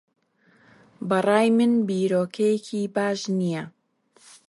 بە ڕای من بیرۆکەیەکی باش نییە.